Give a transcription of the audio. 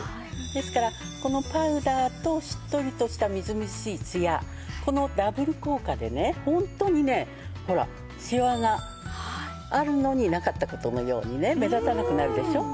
ですからこのパウダーとしっとりとしたみずみずしいツヤこのダブル効果でねホントにねほらシワがあるのになかった事のようにね目立たなくなるでしょ。